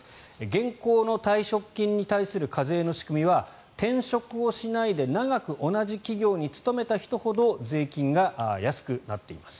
現行の退職金に対する課税の仕組みは転職をしないで長く同じ企業に勤めた人ほど税金が安くなっています。